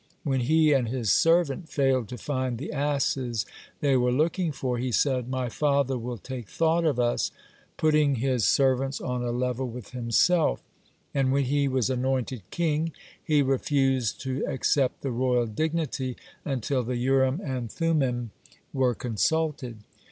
When he and his servant failed to find the asses they were looking for, he said, "My father will take thought of us," putting his servants on a level with himself, (51) and when he was anointed king, he refused to accept the royal dignity until the Urim and Thummin were consulted.